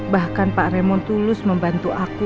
bahkan pak remo tulus membantu aku